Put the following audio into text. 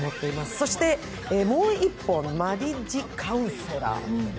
そしてもう１本、「マリッジカウンセラー」